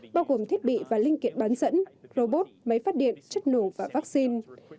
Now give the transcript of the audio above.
bao gồm thiết bị và linh kiện bán dẫn robot máy phát điện chất nổ và vaccine